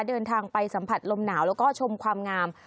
เดินทางไปสัมผัสลมหนาวแล้วก็ชมความงาม